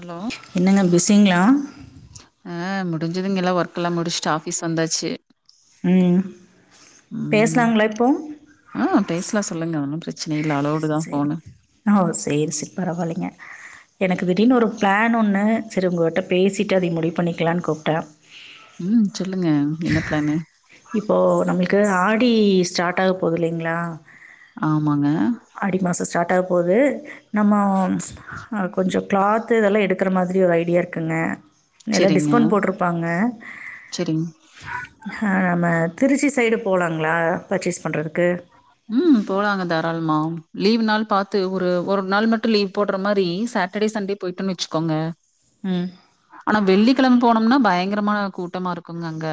Hello என்னங்க பிஸ்ஸிங்ளா ஆ முடிஞ்சதுங்க எல்லா ஒர்க் ல்லா முடிச்ட் ஆஃபீஸ் வந்தாச்சு ம் ம் பேஸ்லாங்ளா இப்போ ஆ பேஸ்லா சொல்லுங்க ஒன்னு பிரச்சனை இல்ல அலோட் செரி ஓ சேரி சரி பரவால்லங்க எனக்கு திடீர்னு ஒரு பிளான் ஒண்ணு சரி உங்ககிட்ட பேசிட்டு அத முடிவு பண்ணிக்கலான் கூப்ட்ட ம் சொல்லுங்க என்ன ப்ளானு இப்போ நம்ள்க்கு ஆடி ஸ்டாட் ஆக போது இல்லைங்ளா ஆமாங்க ஆடி மாச ஸ்டார்ட் ஆகபோது நம்ம அ கொஞ்சொ கிளாத்து இதெல்லா எடுக்கற மாரி ஒரு ஐடியா இருக்குங்க நெல்லா செரிங்க டிஸ்கவுண்ட் போட்ருப்பாங்க செரிங் அ நம்ம திருச்சி சைடு போலாங்ளா பர்ச்சேஸ் பண்ணறதுக்கு ம் போலாங்க தாராளமா லீவ் நாள் பாத்து ஒரு ஒரு நாள் மட்டு லீவ் போட்ற மாரி சாட்டடே சண்டே போய்ட்டோன் வச்சுக்கோங்க ம் ஆனா வெள்ளிக்கெழம போனோம்னா பயங்கரமான கூட்டமா இருக்குங்க அங்க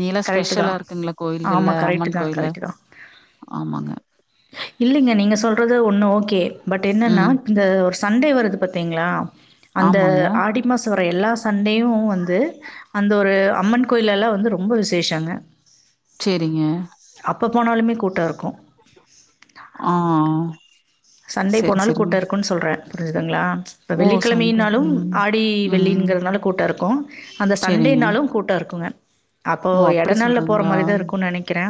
நீல்லா கரெக்டு ஸ்பெஷலா தான் இருக்கிங்ளா கோயில்கள்ல ஆமாம் கரெக்டு அம்மன் தான் கோயில்ல கரெக்டு தான் ஆமாங்க இல்லைங்க நீங்க சொல்றது ஒன்னு ஓகே பட் என்னன்னா ம் இந்த ஒரு சண்டே வருது பாத்தீங்ளா அந்த ஆமாங்க ஆடி மாச வர எல்லா ச சண்டேயு வந்து அந்த ஒரு அம்மன் கோயில்ல எல்லா வந்து ரொம்ப விசேஷங்க சேரிங்க அப்ப போனாலுமே கூட்டோ இருக்கு ஆ சண்டே செரி போனாலு கூட்ட செரிங்க இருக்குன்னு சொல்ற புரிஞ்சுதுங்களா இப்போ ஓ! சண்டே. வெள்ளிக்கிழமைனாலு ம். ஆடி ம். வெள்ளிங்கிறதுனால கூட்ட இருக்கு அந்த சரிங்க. சண்டேனாலும் கூட்ட இருக்குங்க அப்போ ஓ! அப்படி இடைநாள்ல போற சொல்றீங்களா? மாரி தா இருக்குன்னு நினைக்கிறே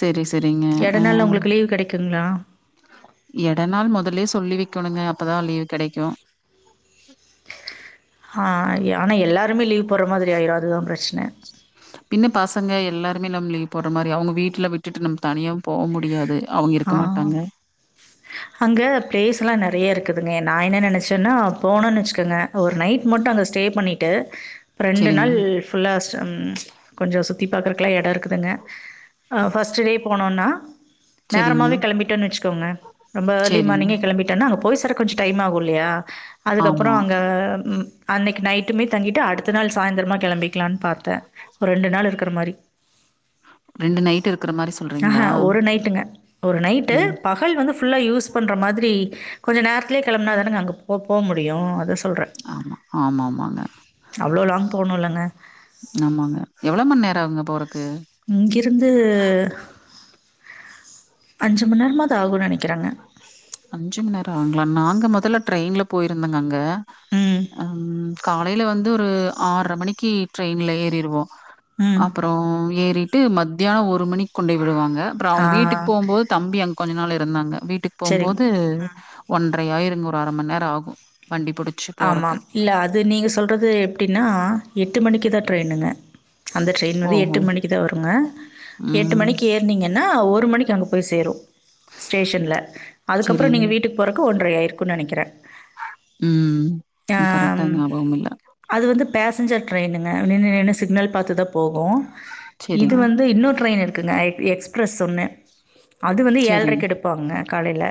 சரி, சரிங்க. எட அ நாள்ல உங்களுக்கு லீவு கிடைக்குங்களா எட நாள் முதல்லே சொல்லி வைக்கணுங்க அப்ப தா லீவ் கிடைக்கு ஆ எ ஆனா எல்லாருமே லீவ் போட்ற மாரி ஆயிரு அதுதா பிரச்சனை ச [inaudible] பின்ன பசங்க எல்லாருமே நம்ம லீவ் போட்ற மாரி அவுங்க வீட்ல விட்டுட்டு நம்ம தனியாவு போவ முடியாது அவங்க ஆ இருக்க மாட்டாங்க. அங்க ப்ளேஸ்லா நறைய இருக்குதுங்க நா என்ன நினச்சேன்னா போணுன் வெச்சுக்கோங்க ஒரு நைட் மட்டு அங்க ஸ்டே பண்ணிட்டு ரெண்டு சரிங்க, நாள் ஃபுல்லா கொஞ்ச சுத்தி பாக்கறக்கலா இடம் இருக்குதுங்க அ ஃபஸ்ட்டு டே போனோன்னா சரிங்க, நேரமாவே களம்பிட்டோன்னு வச்சுக்கோங்க ரொம்ப ஏர்லி சரிங்க. மானிங்கே கெளம்பிட் டன்ன அங்க போய் சேர கொஞ்ச டைம் ஆகு இல்லாயா அதுக்கப்புற ஆமா. அங்க ம் அன்னைக்கு நைட்டுமே தங்கிட்டு அடுத்த நாள் சாயந்திரமா கிளம்பிக்கலான் பாத்தேன் ஒரு ரெண்டு நாள் இருக்கற மாரி ரெண்டு நைட்டு இரு ஆஹ ஒரு நைட்டுங்க ஒரு நைட்டு ம். பக பகல் வந்து ஃபுல்லா யூஸ் பண்ற மாதிரி கொஞ்ச நேரத்தலயே கிளம்புனா தானங்க அங்க போ போ முடியு அத சு ஆமா ஆமா ஆமாங்க அவ்ளோ லாங் போணுல்லங்க ஆமாங்க எவ்வளோ மண்நேர ஆகுங்க போறக்கு இங்கிருந்து அஞ்சு மண்நேரமாது ஆகுன்னு நினைக்கிறேங்க அஞ்சு மண்நேர ஆகுங்களா நாங்க முதல்ல ட்ரெயின்ல போயிருந்தங்க அங்க ம். ம் காலைல வந்து ஒரு ஆறை மணிக்கு ட்ரெயின்ல ஏறிருவோ ம். அப்பற அப்புறம் ஏறிட்டு மத்தியானம் ஒரு மணிக்கு கொண்டுய விடுவாங்க அப்புறம் ஆ அவங்க வீட்டுக்கு போம்போது தம்பி அங்க கொஞ்ச நாள் இருந்தாங்க வீட்டுக்கு சரிங்க. போம்போது ஒன்றரை ஆயிரிருங்க ஒரு அரை மண்நேர ஆகு வண்டி புடிச்சு போறக்கு ஆமாம். இல்ல அது நீங்கள் சொல்றது எப்டின்னா எட்டு மணிக்கு தா ட்ரெயினுங்க அந்த ட்ரெயின் வந்து ஓஹோ! எட்டு மணிக்கு தா வருங்க எட்டு ம். மணிக்கு ஏ ர்னீங்கன்னா ஒரு மணிக்கு அங்க போய் சேரு ஸ்டேஷன்ல அதுக்கப்புற சரிங்க. நீங்க வீட்டுக்கு போறக்கு ஒன்றை ஆயிருக்குன்னு நினைக்கிறே ம் எனக் கரக்டா ஞாபகம் இல்ல அது வந்து பேசஞ்சர் ட்ரெயினுங்க நின்னு நின்னு சிக்னல் பாத்துதா போகு இது சரிங்க, வந்து இன்னொரு ட்ரெயின் இருக்குங்க எக்ஸ்பிரஸ் ஒன்னு அது வந்து சரிங்க. ஏழ்ரைக்கு எடுப்பாங்க காலைல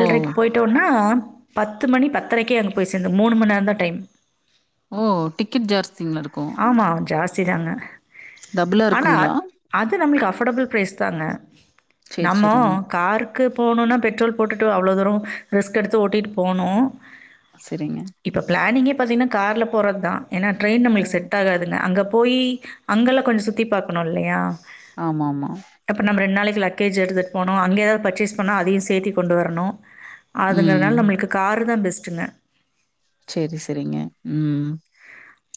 ஓ! போயிட் ட்டோன்னா பத்து மணி பத்தரைக்கே அங்க போய் சேந்தோ மூணு மண்நேர தா டைம் ஓ டிக்கெட் ஜாஸ்திங்ள இருக்கு ஆமா ஜாஸ்தி தாங்க டபுளா ஆனா இருக்குங்களா? அது நம்மளுக்கு அஃபோடபுள் ப்ரைஸ் தாங்க சரி, நம்ம சரிங்க, கார் க்கு போணுனா பெட்ரோல் போட்டுட்டு அவ்ளோ தூரோ ரிஸ்க் எடுத்து ஓட்டிட்டு போணு செரிங்க இப்ப பிளானிங்கே பாத்தீங்கன்னா கார்ல போறது தா ஏன்னா ட்ரெயின் ஓ! நம்மளுக்கு செட் ஆகாதுங்க அங்கே போய் அங்கெல்லா கொஞ்ச சுத்தி பாக்கணு இல்லையா ஆம்மாமா அப்போ நம் ரெண் நாளைக்கு லகேஜ் எடுத்ட்டு போனு அங்க எதாவது பர்ச்சேஸ் பண்ணா அதையு சேத்தி கொண்டு வரணு ம். அதுங்கறனால நம்மளுக்கு காரு தா பெஸ்ட்டுங்க சேரி சேரிங்க உம்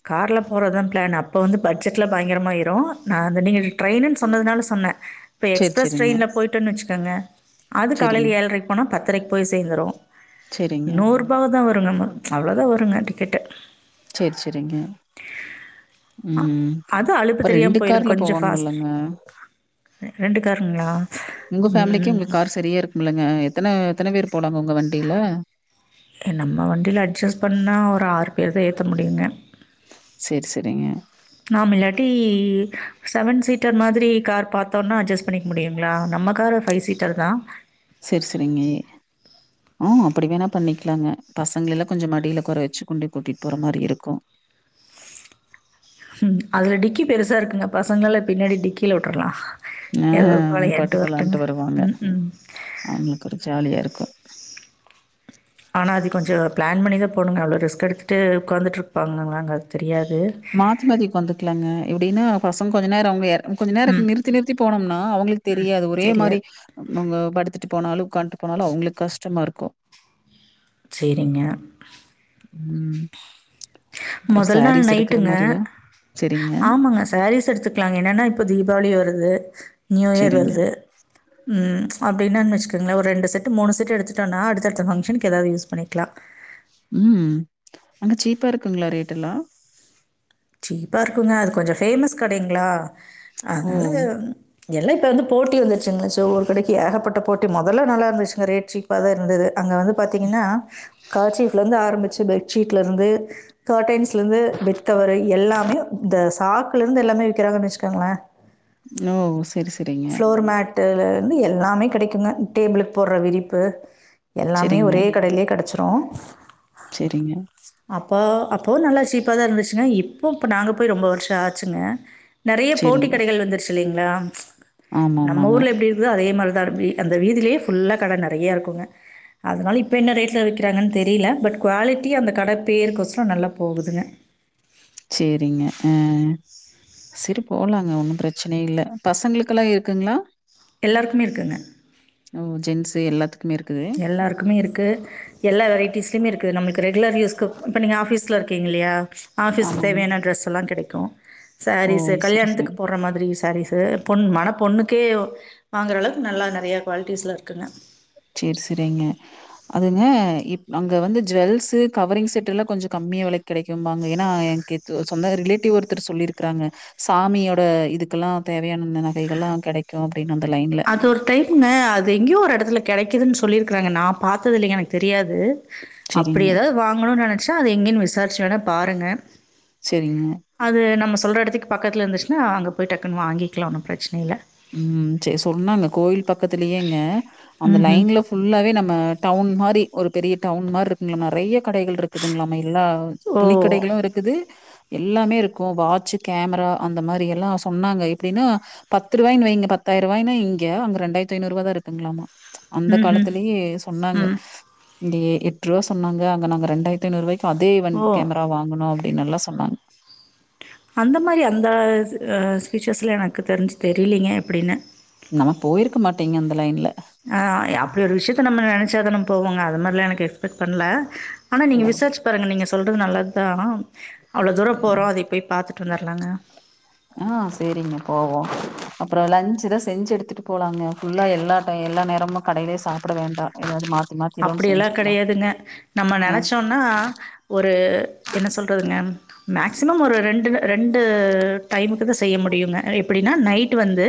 கார்ல போறதா ப்ளான் அப்போ வந்து பட்ஜெட்லா பயங்கரமா ஏரு நா நீங்க ட்ரெயினு சொன்னதுனால சொன்னே இப்ப சரி, எக்ஸ்பிரஸ் சரிங்க. ட்ரெயின்ல போய்டோன்னு வெச்சுக்கோங்க அது சரிங் காலைல் ஏழரைக்கு போனா பத்தரைக்கு போய் சேந்துரு சரிங்க. நூர் ரூபாதா வருங் நம்ம அவ்ளோதா வருங்க டிக்கெட்டு சேரி சேரிங்க அ உம் அது அலுப்பு அப்போ தெரியாம ரெண்டு போயிரும் கார்ல கொஞ்சம் ஃபாஸ்ட் போகோணுமல்லங்க ரெண்டு காருங்களா உங்க ஃபேமிலிக்கு உங்க ம் கார் சரியா இருக்கும்ல்லங்க எத்தன எத்தன பேர் போலாங்க உங்க வண்டில நம்ம வண்டில அட்ஜஸ்ட் பண்ணா ஒரு ஆறு பேர் தா ஏத்த முடியுங்க சேரி சேரிங்க நாம் இல்லாட்டி செவன் சீட்டர் மாதிரி கார் பாத்தோனா அஜஸ் பண்ணிக் முடியுங்களா நம்மக்காரு ஃபைவ் சீட்டர் தா சேர் சேரிங்க ம் அப்படி வேணா பண்ணிக்கலாங்க பசங்களெல்லா கொஞ்ச மடில உக்கார வச்சு கொண்டு கூட்டிட்டு போற மாரி இருக்கு ம் அதுல டிக்கி பெருசா இருக்குங்க பசங்லலா பின்னாடி டிக்கில வுட்றலா ஆ ஏதோ அவங்க விளயான்ட் வரடுங்க ம் ம் அவங்ளுக்கு ஒரு ஜாலியா இருக்கு ஆனா அது கொஞ்ச பிளான் பண்ணிதா போணுங்க அவ்ளோ ரிஸ்க் எடுத்ட்டு உக்காந்துட் ருப்பாங்களாங்க அது தெரியாது [unintelligible] வந்துக்களாங்க எப்டினா பசங் கொஞ்ச நேர அவங் ஏற கொஞ்ச நேரோ ம் நிறுத்தி நிறுத்தி போனோம்னா அவங்ளுக்கு ம் தெரியாது ஒரே மாரி தெரியாது அவுங்க படுத்துட்டு போனாலு உட்கான்ட்டு போனாலு அவங்ளுக் கஷ்டமாருக்கு சேரிங்க ம். அப்புறம் முதல் நாள் சாரீஸ் எடுக்கிற நைட்டுங்க மாரியா? சரிங்க, ஆமாங்க சேரீஸ் எடுத் இருக்கலாங் என்னன்னா இப்போ தீபாவளி வருது நியூ இயர் சரிங்க. வருது ம் அப்டின்னா வெச்க்கங்ளே ஒரு ரெண்டு செட்டு மூணு செட்டு எடுத்துடோனா அடுத்தடுத் ஃபங்க்ஷனுக் ஏதாவ்து யூஸ் பண்ணிக்கலா ம் அங்க சீப்பா இருக்குங்களா ரேடெல்லா சீப்ப இருக்குங்க அது கொஞ்ச ஃபேமஸ் கடைங்களா ஓ! அதனால எல்லா இப்போ வந்து போட்டி வந்துருச்சுங்க சோ ஒரு கடைக் ஏகப்பட்ட போட்டி முதல்ல நல்லா இருந்துச்சுங்க ரேட் சீப்பா தா இருந்தது அங்க வந்து பாத்தீங்கனா கர்சீப்ல இருந்து ஆரம்பிச்சு பெட்ஷீட்ல இருந்து காட்டைன்ஸ் இருந்து பெட் கவர் எல்லாமே இந்த சாக்குல இருந்து எல்லாமே விக்கிறாங்கனு வெச்சுக்கங்களே ன்னோ சேர் சேரிங்க ஃப்ளோர் மேட்டுலருந்து எல்லாமே கிடைக்குங்க டேபிளுக்கு போடுற விரிப்பு எல்லாமே சரிங்க, ஒரே கடையிலே கிடச்சிரும் சேரிங்க அப்போ அப்பவு நல்லா சீப்பா தா இருந்துச்சுங்க இப்ப இப்ப நாங்க போய் ரொம்ப வருஷோ ஆச்சுங்க நெறைய போட்டி சரிங்க. கடைகள் வந்துருச்சு இல்லீங்களா நம்ம ஆமாமாங்க. ஊர்ல எப்டி இருந்ததோ அதே மாரி தா அந்த வீதிலயே ஃபுல்லா கடை நெறையா இருக்குங் அதனால் இப்போ என்ன ரேட்ல வைக்கிறாங்கன் தெரில பட் குவாலிட்டி அந்த கடைப் பேர்க் கொசரோ நல்லா போகுதுங்க சேரிங்க ஆ சரி போலாங்க ஒன்னு பிரச்சனை இல்ல பசங்களுக்கெல்லா இருக்குங்களா எல்லோருக்குமே இருக்குங்க ஓ ஜென்ஸு எல்லாத் எல்லாருக்குமே இருக்கு எல்லா வெரைட்டஸ்லியிமே இருக்கு நம்ளுக்கு ரெகுலர் யூஸ்க்கு இப்ப நீங்க ஆஃபீஸ்ல இருக்கீங்க இல்லயா ஆஃபீஸ்க் ஆமாங்க. தேவ்யான ட்ரெஸ்ல்லா கெடைக்கு ஓ! சேரீஸு சரி, சரி. கல்யாண்த்துக்கு போட்ற மாதுரி சேரீஸு பொண் மன பொண்ணுக்கே வாங்குற அளவுக்கு நல்லா நறையா குவால்ட்டிஸ்ல இருக்குங்க சேர் செரிங்க அதுங்கப் இப் அங்க வந்து ஜுவெல்ஸு கவரிங் செட்ல்லா கொஞ்ச கம்மிய வெலைக் கெடைக்கும்பாங்க ஏன்னா ஏங்கி சு சொந்த ரிலேட்டிவ் ஒருத்தர் சொல்லிருக்காங்க சாமியோட இதுக்குல்லா தேவயான அந்த நகைகள்ல்லா கெடைக்கு அப்டின் அந்த லைன்ல சோர் டைம்ங்க அது எங்யோ ஒரு எடத்துல கெடைக்கிதுன்னு சொல்லிருக்குறாங்க நா பாத்தது இல்லிங்க எனக்கு தெரியாது அப்புடி சரிங்க, எதாவ்து வாங்கணு நெனச்சா அது எங்கேன் விசாரிச்ச வேணா பாருங்க செரிங்க அது நம்ம சொல்ற எடத்திக் பக்கத்ல இருந்துச்னா அங்க போய் டக்குனு வாங்கிக்லா ஒன்னு ப்ரச்சன இல்ல ம் சே சொன்னாங்க கோயி ல் பக்கத்துலயேங்க அந்த ம்ஹ்ம். லைன்லப் ஃபுல்லாவே நம்ம டவுன் மாரி ஒரு பெரிய டவுன் மார்ருக்குங்க நறையா கடைகள் ருக்துங்ளாமா இல்லா ஓ! துணிக்கடைகளு இருக்குது எல்லாமே இருக்கு வாச்சு கேமரா அந்த மாரி எல்லா சொன்னாங்க எப்டினா பத் துருவாய்னு வைங்க பத்தாயிரவாய்னா இங்க அங்க ரெண்டாயித்ஐநூவாதா இருக்குங்ளாமா அந்த ம்ஹ்ம். காலத்துலயே சொன்னாங்க ம். இங்க எட்ருவா சொன்னாங்க அங்க நாங்க ரெண்டாயர்த்து ஐநூறுவாய்க் அதே வன் ஓ! கேம்ரா வாங்கணு அப்டின்னல்லா சொன்னாங் அந்த மாரி அந்த அ ஸ்பீச்சர்ஸ்லா எனக்கு தெரிஞ்சு தெரிலீங்க எப்டின்னு நம்ம போயிருக்க மாட்டிங்க அந்த லைன்ல அ அப்டி ஒரு விஷ்யத்த நம்ம நெனச்சாதன போவோங்க அது மாரிலா எனக்கு எஸ்பெட் பண்ல ஆனா நீங்க சரி. விசார்ச் பாருங்க நீங்க சொல்றது நல்லத்தா அவ்ளோ தூரோ ம். போரோ அதையு போய் பாத்துட்டு வந்துர்லாங்க ஆ சேரிங்க போவோ அப்புறோ லஞ்ச்தா செஞ்சு எடுத்துட்டு போகலாங்க ஃபுல்லா எல்லா டை எல்லா நேரமு கடைலே சாப்புட வேண்டா எதாவ்து மாத் அப்டி எல்லாம் கடையாதுங்க நம்ம ஆ நெனச்சோன்னா ஒரு என்ன சொல்றதுங்க மேக்சிமம் ஒரு ரெண்டு ரெண்டு டைமுக்கு தா செய்ய முடியுங்க எப்புடின்னா நைட் வந்து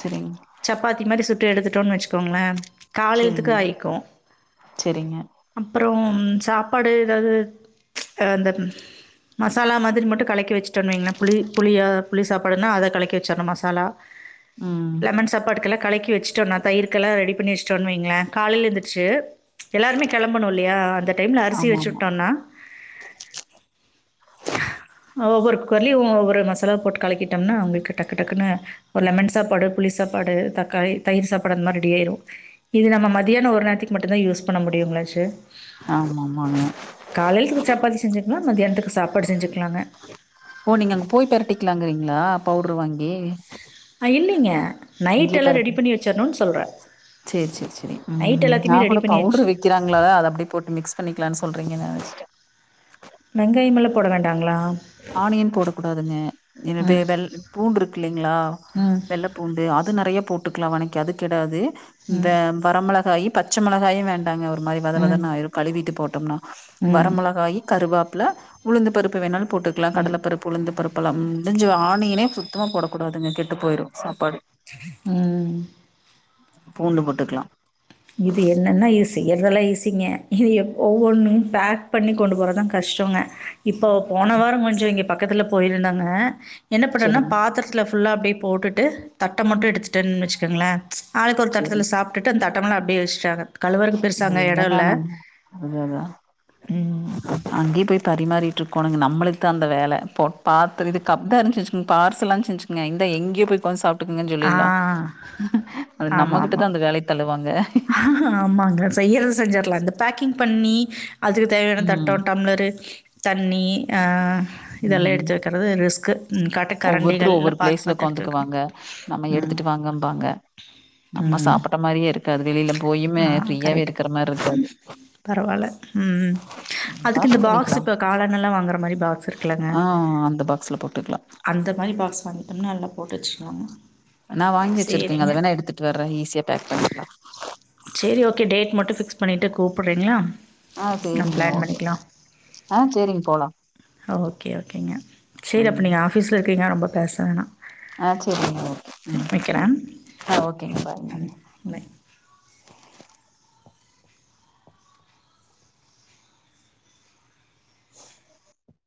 செரிங் சப்பாத்தி மாரி சுட்டு எடுத்துட்டோன் வச்சுக்கோங்ளே காலேல்த்துக் ஆயிக்கு செரிங்க அப்புறோ சாப்பாடு எதாது அந்த மசாலா மாதிரி மட்டு கலக்கி வச்சிட்டோன் வைங்ளே புளி புளியா புளி சாப்பாடுனா அத கலக்கி வச்சற்ணு மசாலா ம் லெமன் சாப்பாட்டுக்கெல்லா கலக்கி வச்சிடோனா தயிர்கெலா ரெடி பண்ணி வச்டோனு வைங்ளே காலைல எந்துர் சு எல்லாருமே களம்பணு இல்லயா அந்த டைம்ல அரிசி வச்சு ஆமாமா உட்டோன்னா அ ஒவ்வொரு குக்கர்லயு ஒவ்வொரு மசாலாவ போட்டு கலக்கிட்டம்னா ஒங்களுக்கு டக்கு டக்குனு ஒரு லெமன் சாப்பாடு புளி சாப்பாடு தக்காளி தயிர் சாப்பாடு அந்த மாரி ரெடி ஆய்ரு இது நம்ம மதியான ஒரு நேரத்திக்கு மட்டுந்தா யூஸ் பண்ண முடியுங்களாச்சே ஆமாமாங்க காலேல்த்க்கு சப்பாத்தி செஞ்சுக்லாங்க மதியான்த்துக் சாப்பாடு செஞ்சுக்லாங்க ஓ நீங்க அங்க போய் பெரட்டிக்கலாங்கறீங்களா பவுடரு வாங்கி அ இல்லங்க நைட் எல்லா ரெடி பண்ணி வச்சரணுனு சொல்றே செரி செரி செரி உ உ நா கூட பண்ணி வச்சு பவுடர் வி விக்கிறாங்களா அது அப்டி போட்டு மிக்ஸ் பண்ணிக்கலாம்னு சொல்றீங்கனு நெனச்சுட்டே வெங்காயமெல்லா போட வேண்டாங்களா ஆனியன் போடக்கூடாதுங்க என்ன ம், இதல்லா பூண்டு இருக்கு இல்லேங்களா ம், வெள்ள பூ பூண்டு அது நெறைய போட்டுக்கலா வனக்கி அது கெடாது இந்த ம், வரமெளகாயு பச்ச மெளகாயு வேண் அதாங்க ஒரு மாரி வத ம், வதனு ஆயிரு கழுவிட்டு போட்டோம்னா ம், வரமெளகாய் கருவேப்புல உளுந்து பருப்பு வேணாலு போட்டுக்கலா ம், கடலை பரு உளுந்து பருப்புலா முடிஞ்சு ஆணியனே சுத்தமா போடக்கூடாதுங்க கெட்டு போயிரு சாப்பாடு உ பூண்டு போட்டுக்கலா இது என்னன்னா இத செய்றதெல்லா ஈசிங்க இது எப்போவ்வொன்னு பேக் பண்ணி கொண்டு போறதா கஷ்டங்க இப்போ போன வார கொஞ்சோ இங்க பக்கத்துல போயிருந்தாங்க என்ன பண்ணேனா செரிங் பாத்தெரத்துல ஃபுல்லா அப்டியே போட்டுட்டு தட்ட மட்டு எடுத்துட்டேனு வச்சுக்கோங்களே ஆளுக்கு ஒரு தட்டத்துல செரிங் சாப்டுட்டு அந்த தட்டமெல்லா அப்டியே வச்சுட்டாங்க கழுவருக்கு பெருசா இது அங்க எடோ என்னன்னா இல்ல நம்ம ம் அங்கேயு போய் பரிமாறிட்டு இருக்கோனுங்க நம்மளுக்கு தா அந்த வேல போ பாத்து இது கப்தா இருந்துச்சுனு வச்சுக்கோங்க பார்சலானு செஞ்சு ஞ எந்த எங்கே போய் ஒக்காந்து சாப் இங்கு ஆ. சொல்லில அத நம்மகிட்டதா அந்த வேல தள்ளுவாங்க ஹக ஆமாங்க செய்றத செஞ்சுரலா இந்த பேக்கிங் பண்ணி அதுக்கு தேவையான ம் தட்டோ டம்ளர் தண்ணி அ இதெல்லா எடுத்து வைக்க வறது ரிஸ்க்கு உ காட் ஒவ்வொருத்தரு ஒவ்வொரு பிளேஸ்ல உக்காந்துக்குவாங்க நம்ம ம். எடுத்துட்டு வாங்கபாங்க நம்ம ம். சாப்பட்ட மாரியே இரு ஆ கரெட் மாதிரி உ இருக்காது பரவால உ அதுக்கு இந்த பார்சல் பாக்ஸ் பண்ணிக்கலாம் இப்ப காளானெல்லா வாங்குற மாரி பாக்ஸ் இருக்குலங்க ஆ அந்த பாக்ஸ்ல போட்டுக்கலாம் அந்த மாரி பாக்ஸ் வாங்கிட்டோம்னா நல்லா போட்டு வச்சுக்லாங்க செரிங்க ட்டு வர்றே ஈஸியா பேக் பண்ணிக்கலா சேரி ஓகே டேட் மட்டு ஃபிக்ஸ் பண்ணிட்டு கூப்பிட்றீங்களா ஆ நம்ம சரிங்க பிளான் ஓகே பண்ணிக்கலா ஆ சரிங்க போலாம் ஓகே ஓகேங்க சேரி அப்ப ம் நீங்க ஆப் ஆஃபீஸ்ல இருக்கீங்க ரொம்ப பேச வேணா ஆஹ் சேரிங்க ஓகே மு ஆ ஓகேங்க பாய்ங்க பை.